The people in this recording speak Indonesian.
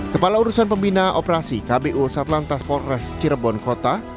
kepala urusan pembina operasi satlan transport res cirebon kota